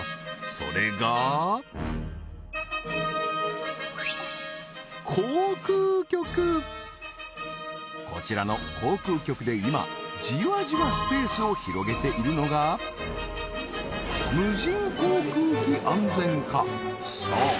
それがこちらの航空局で今じわじわスペースを広げているのがそう